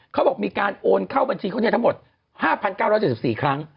เขาบอกมีการโอนเข้าบัญชีเขาทั้งหมด๕๙๗๔ครั้ง